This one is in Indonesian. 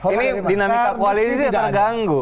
ini dinamika koalisi terganggu